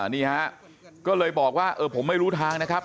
นี่ฮะก็เลยบอกว่าเออผมไม่รู้ทางนะครับ